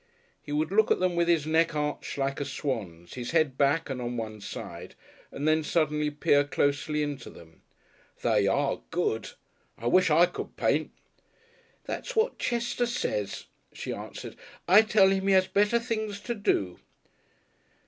He would look at them with his neck arched like a swan's, his head back and on one side and then suddenly peer closely into them. "They are good. I wish I could paint." "That's what Chester says," she answered. "I tell him he has better things to do."